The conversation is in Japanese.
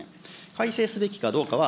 改正すべきかどうかは